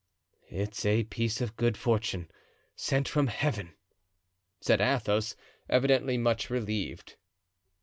"It's a piece of good fortune sent from Heaven," said Athos, evidently much relieved.